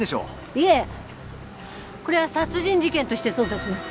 いえこれは殺人事件として捜査します。